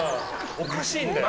おかしいんだよ。